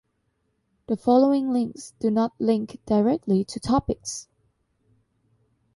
The following links do not link directly to topics.